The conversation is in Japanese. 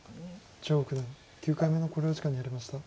張九段９回目の考慮時間に入りました。